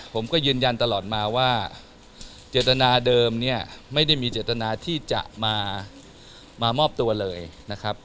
ผมก็ยืนยันตลอดมาว่าเจตนาเดิมเนี่ยไม่ได้มีเจตนาที่จะมามอบตัวเลยนะครับ